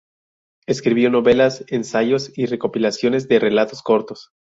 Escribió novelas, ensayos y recopilaciones de relatos cortos.